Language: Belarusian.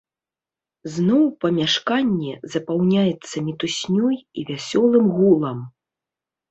Зноў памяшканне запаўняецца мітуснёй і вясёлым гулам.